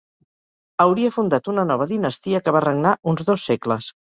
Hauria fundat una nova dinastia que va regnar uns dos segles.